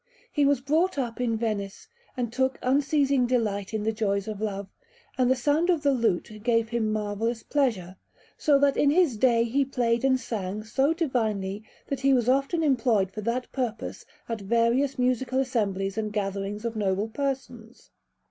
He was brought up in Venice, and took unceasing delight in the joys of love; and the sound of the lute gave him marvellous pleasure, so that in his day he played and sang so divinely that he was often employed for that purpose at various musical assemblies and gatherings of noble persons.